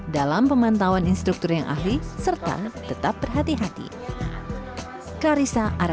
dalam pemantauan instruktur yang ahli serta tetap berhati hati